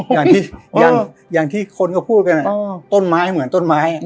ยังที่ยังที่คนก็พูดกันแหละต้นไม้เหมือนต้นไม้